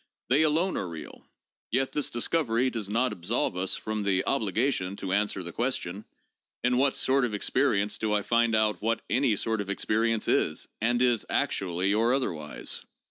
PSYCHOLOGY AND SCIENTIFIC METHODS 659 they alone are real, yet this discovery does not absolve us from the obligation to answer the question, 'In what sort of experience do I find out what any sort of experience is, and is actually or other wise?'